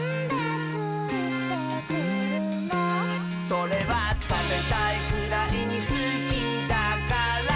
「それはたべたいくらいにすきだかららら」